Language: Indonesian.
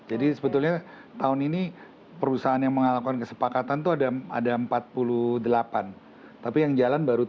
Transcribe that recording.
jadi sebetulnya tahun ini perusahaan yang mengalami kesepakatan itu ada empat puluh delapan tapi yang jalan baru tiga puluh